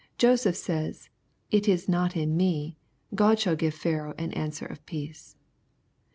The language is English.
Joseph says. * It is not in me : God shall give Pharaoh an answer of peace.